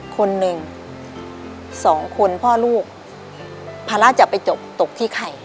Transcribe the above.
คนหนึ่งสองคนพ่อลูกภาระจะไปจบตกที่ใคร